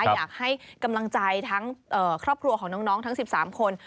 อยากให้กำลังใจทั้งครอบครัวของน้องทั้ง๑๓คน